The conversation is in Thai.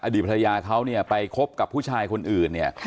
ดีภรรยาเขาเนี่ยไปคบกับผู้ชายคนอื่นเนี่ย